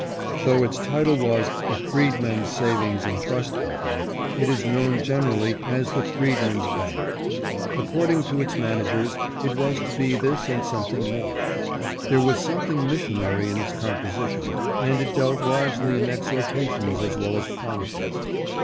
Though its title was " The Freedmen's Savings and Trust Company," it is known generally as the " Freedmen's Bank." According to its managers it was to be this and something more. There was something missionary in its composition, and it dealt largely in exhortations as well as promises.